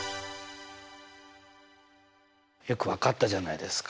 よく分かったじゃないですか。